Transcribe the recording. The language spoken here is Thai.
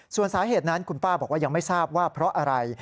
ส่วนสาเหตุนั้นคุณป้าบอกว่ายังไม่ทราบว่าเพราะอะไร